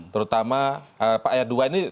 terutama ayat dua ini